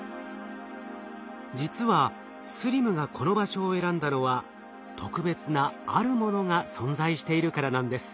実はＳＬＩＭがこの場所を選んだのは特別な「あるもの」が存在しているからなんです。